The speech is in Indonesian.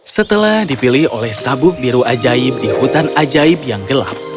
setelah dipilih oleh sabuk biru ajaib di hutan ajaib yang gelap